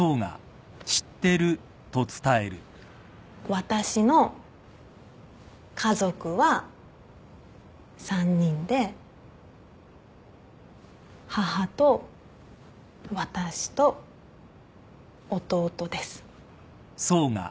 私の家族は３人で母と私と弟です。だよね。